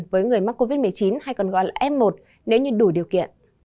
với người mắc covid một mươi chín hay còn gọi là f một nếu như đủ điều kiện